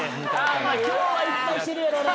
今日はいっぱいしてるやろな。